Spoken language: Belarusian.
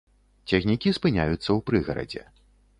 Цягнікі спыняюцца ў прыгарадзе.